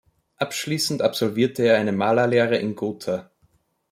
Anschließend absolvierte er eine Malerlehre in Gotha.